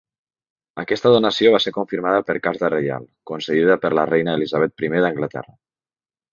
Aquesta donació va ser confirmada per carta reial, concedida per la reina Elisabet I d'Anglaterra.